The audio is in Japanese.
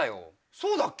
そうだっけ？